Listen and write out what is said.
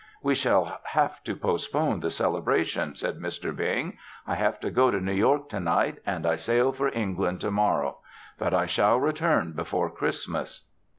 "We shall have to postpone the celebration," said Mr. Bing. "I have to go to New York to night, and I sail for England to morrow. But I shall return before Christmas."